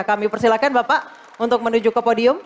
kami persilahkan bapak untuk menuju ke podium